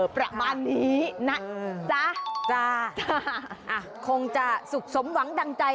ประมาณนี้นะจ๊ะจ้าอ่ะคงจะสุขสมหวังดังใจ